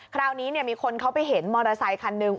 คราวนี้มีคนเขาไปเห็นมอเตอร์ไซคันหนึ่ง